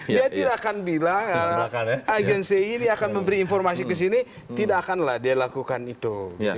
dia tidak akan bilang agensi ini akan memberi informasi ke sini tidak akanlah dia lakukan itu